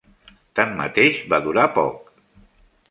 Tanmateix va durar poc.